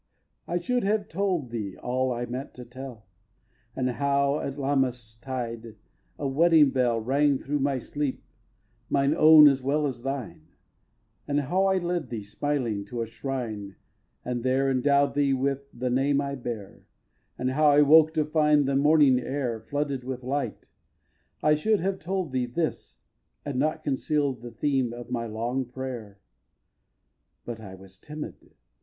xix. I should have told thee all I meant to tell, And how, at Lammas tide, a wedding bell Rang through my sleep, mine own as well as thine; And how I led thee, smiling, to a shrine And there endow'd thee with the name I bear; And how I woke to find the morning air Flooded with light. I should have told thee this And not conceal'd the theme of my long prayer. xx. But I was timid.